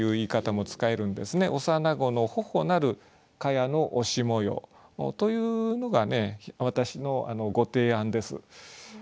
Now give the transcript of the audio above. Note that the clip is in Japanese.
「幼子の頬なる蚊帳の押し模様」というのが私のご提案です。